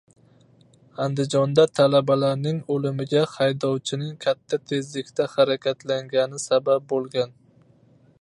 Andijonda talabalarning o‘limiga haydovchining katta tezlikda harakatlangani sabab bo‘lgan